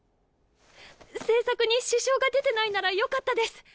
制作に支障が出てないならよかったです。